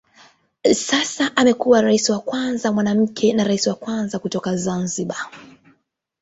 Sasa amekuwa rais wa kwanza mwanamke na rais wa kwanza kutoka Zanzibar.